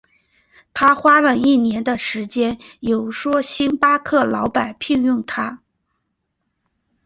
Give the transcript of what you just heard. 他花了一年的时间游说星巴克的老板聘用他。